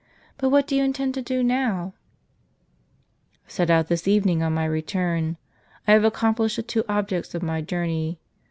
But what do you intend to do now ?"" Set out this evening on my return. I have accomplished the two objects of my journey.